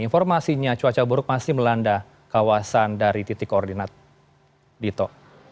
informasinya cuaca buruk masih melanda kawasan dari titik koordinat dito